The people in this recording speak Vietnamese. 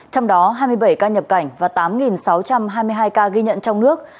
trong đó hai mươi bảy ca nhập cảnh và tám sáu trăm hai mươi hai ca ghi nhận trong nước